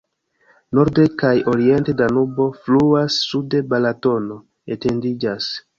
Norde kaj oriente Danubo fluas, sude Balatono etendiĝas.